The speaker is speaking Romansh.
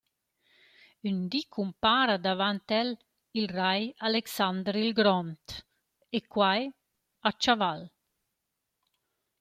Ün di cumpara davant el il rai Alexander il Grond, e quai a chavagl.